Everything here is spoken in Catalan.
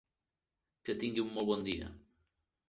Que tingui un molt bon dia.